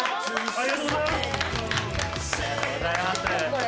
ありがとうございます。